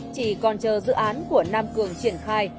chỉ còn chờ dự án của nam cường triển khai